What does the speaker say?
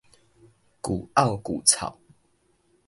舊漚舊臭